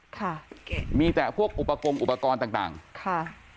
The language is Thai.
ค่ะมีแต่พวกอุปกรณ์อุปกรณ์ต่างต่างค่ะ